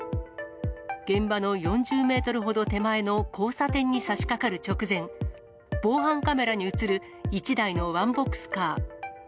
現場の４０メートルほど手前の交差点にさしかかる直前、防犯カメラに写る１台のワンボックスカー。